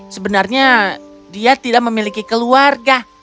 sebenarnya dia tidak memiliki keluarga